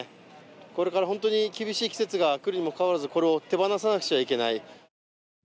これから本当に厳しい季節が来るにもかかわらずこれを手放さなくちゃいけない。